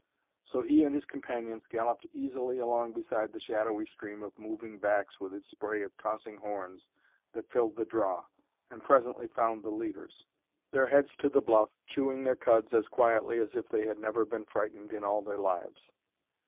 So he and his companions galloped easily along beside the shadowy stream of moving backs with its spray of tossing horns that filled the draw, and presently found the leaders, their heads to the bluff, chewing their cuds as quietly as if they had never been frightened in all their lives.